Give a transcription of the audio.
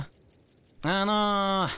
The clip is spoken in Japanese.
あの。